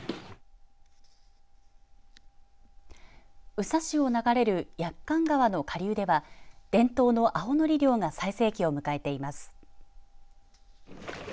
宇佐市を流れる駅館川の下流では伝統の青のり漁が最盛期を迎えています。